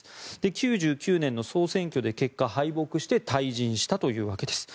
９９年の総選挙で結果、敗北して退陣したというわけです。